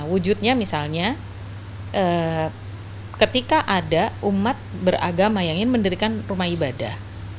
wujudnya misalnya ketika ada umat beragama yang ingin mendirikan rumah ibadah